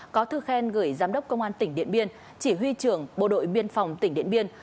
có thư khen gửi giám đốc công an tỉnh điện biên chỉ huy trưởng bộ đội biên phòng tỉnh điện biên